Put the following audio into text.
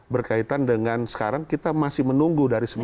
berkaitan dengan sekarang kita masih menunggu dari september dua ribu lima belas